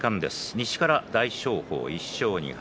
西から大翔鵬１勝２敗